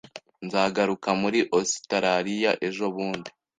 Nzagaruka muri Ositaraliya ejobundi.